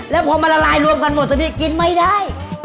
แล้วพอมาละลายรวมกันหมดตอนนี้กินไม่ได้